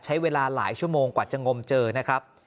ใช้เวลาหลายชั่วโมงกว่าจะงมเจอนะครับ